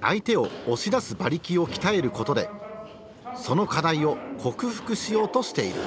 相手を押し出す馬力を鍛えることでその課題を克服しようとしている。